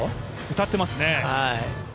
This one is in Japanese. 歌ってますね。